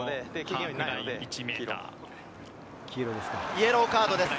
イエローカードです。